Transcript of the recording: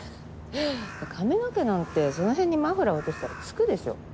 髪の毛なんてその辺にマフラー落としたら付くでしょ。